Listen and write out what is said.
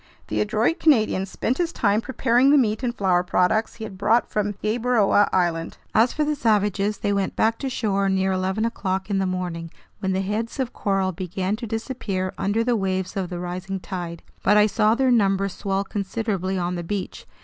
The adroit Canadian spent his time preparing the meat and flour products he had brought from Gueboroa Island. As for the savages, they went back to shore near eleven o'clock in the morning, when the heads of coral began to disappear under the waves of the rising tide. But I saw their numbers swell considerably on the beach.